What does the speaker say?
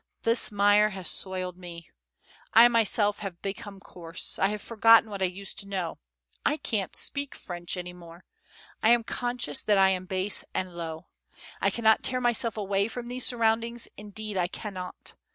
This mire has soiled me. I myself have become coarse; I have forgotten what I used to know; I can't speak French any more; I am conscious that I am base and low. I cannot tear myself away from these surroundings, indeed I cannot.